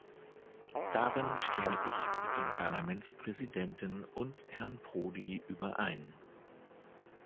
Darin stimme ich mit dem Parlamentspräsidenten und Herrn Prodi überein.